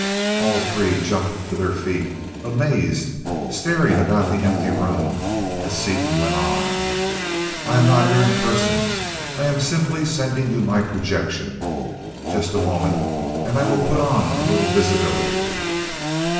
All three jumped to their feet, amazed, staring about the empty room as Seaton went on, "I am not here in person. I am simply sending you my projection. Just a moment and I will put on a little visibility."